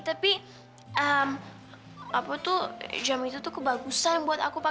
tempat hasilnya oh iya udah